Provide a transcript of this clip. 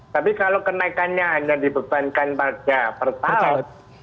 tapi kalau kenaikannya hanya dibebankan pada pertalit